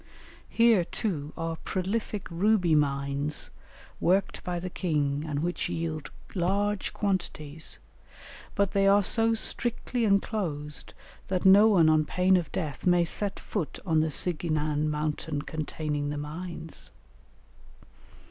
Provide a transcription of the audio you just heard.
Here, too, are prolific ruby mines worked by the king and which yield large quantities, but they are so strictly enclosed that no one on pain of death may set foot on the Sighinan mountain containing the mines.